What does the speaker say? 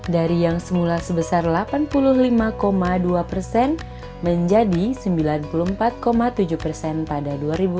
dari yang semula sebesar delapan puluh lima dua persen menjadi sembilan puluh empat tujuh persen pada dua ribu dua puluh